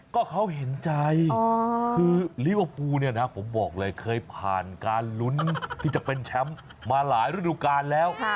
ก็เขาเห็นใจคือลิเวอร์พูลเนี่ยนะผมบอกเลยเคยผ่านการลุ้นที่จะเป็นแชมป์มาหลายฤดูกาลแล้ว